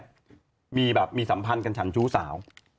มีข่าวว่าเขาเนี่ยมีแบบมีสัมพันธ์กันฉั่นชู้สาว